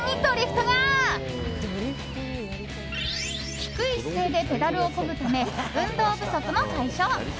低い姿勢でペダルをこぐため運動不足も解消。